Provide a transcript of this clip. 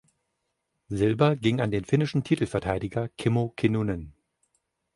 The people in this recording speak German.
Silber ging an den finnischen Titelverteidiger Kimmo Kinnunen.